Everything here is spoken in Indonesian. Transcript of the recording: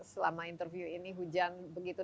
selama interview ini hujan begitu